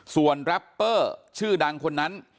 ส่วนแรปเปอร์ชื่อดังคนนั้น